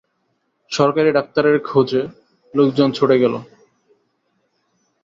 সরকারি ডাক্তারের খোঁজে লোকজন ছুটে গেল।